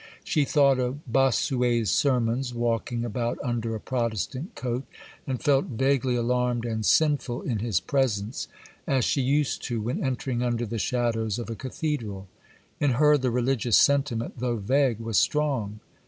She thought of Bossuet's sermons walking about under a Protestant coat, and felt vaguely alarmed and sinful in his presence, as she used to when entering under the shadows of a cathedral. In her the religious sentiment, though vague, was strong.